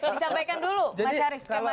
disampaikan dulu pak syarif skema dua nya apa